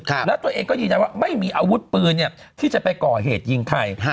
แล้วตัวเองก็ยืนยันว่าไม่มีอาวุธปืนเนี่ยที่จะไปก่อเหตุยิงใครฮะ